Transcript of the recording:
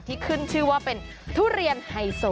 ที่ขึ้นชื่อว่าเป็นทุเรียนไฮโซ